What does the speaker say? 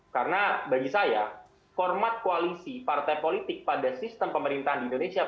karena bagi saya format koalisi partai politik pada sistem pemerintahan di indonesia